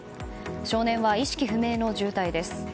少年は意識不明の重体です。